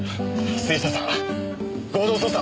杉下さん合同捜査